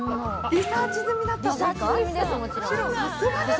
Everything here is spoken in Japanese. リサーチ済みだったんですね！